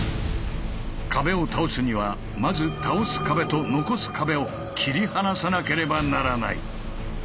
壁を倒すにはまず倒す壁と残す壁を切り離さなければならない。